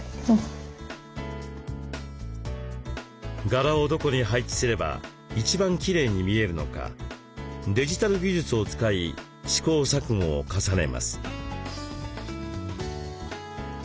柄をどこに配置すれば一番きれいに見えるのかデジタル技術を使い試行錯誤を重ねます。